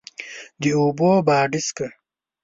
د اوبو باډسکه،